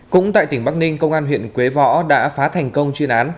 cũng tại tỉnh bắc ninh công an huyện quế võ đã phá thành công chuyên án